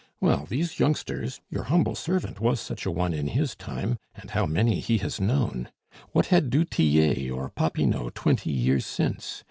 Well, these youngsters your humble servant was such a one in his time, and how many he has known! What had du Tillet or Popinot twenty years since?